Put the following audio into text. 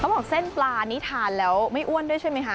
บอกเส้นปลานี้ทานแล้วไม่อ้วนด้วยใช่ไหมคะ